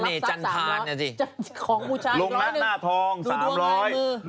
ของบูชาอีกร้อยหนึ่งดูดวงลายมือบ้าบ่อลงหน้าทอง๓๐๐